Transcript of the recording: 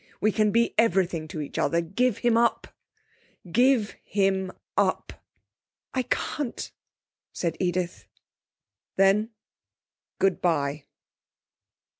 We can be everything to each other.... Give him up. Give him up.' 'I can't,' said Edith. 'Then, good bye.'